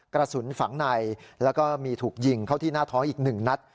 กระสุนฝังในแล้วก็มีถูกยิงเข้าที่หน้าท้องอีก๑นัด